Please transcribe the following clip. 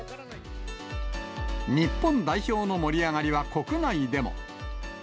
日本代表の盛り上がりは国内でも。